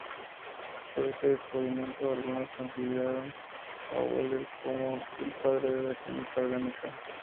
Por este descubrimiento, algunos consideraran a Wöhler como el padre de la química orgánica.